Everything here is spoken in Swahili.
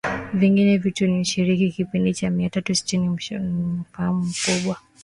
vingine vingi tu Nilishiriki kipindi cha mia tatu sitini mubashara Ni uaminifu mkubwa